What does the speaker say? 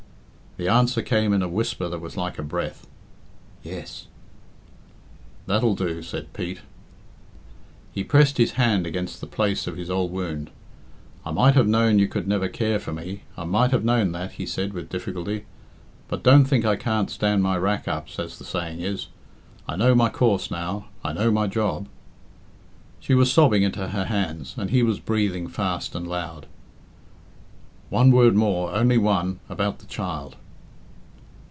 The answer came in a whisper that was like a breath "Yes." "That'll do," said Pete. He pressed his hand against the place of his old wound. "I might have known you could never care for me I might have known that," he said with difficulty. "But don't think I can't stand my rackups, as the saying is. I know my course now I know my job." She was sobbing into her hands, and he was breathing fast and loud. "One word more only one about the child."